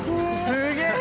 すげえ！